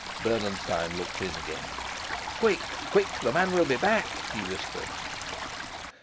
Bernenstein looked in again. "Quick, quick! The man will be back," he whispered.